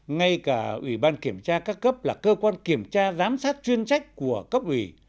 ngay cả ủy ban kiểm tra các cấp là cơ quan kiểm tra giám sát chuyên trách của cấp ủy